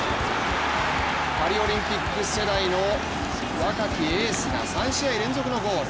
パリオリンピック世代の若きエースが３試合連続のゴール。